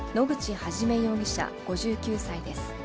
一容疑者５９歳です。